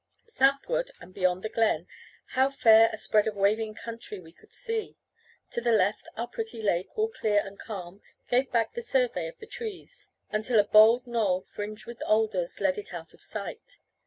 Southward, and beyond the glen, how fair a spread of waving country we could see! To the left, our pretty lake, all clear and calm, gave back the survey of the trees, until a bold gnoll, fringed with alders, led it out of sight.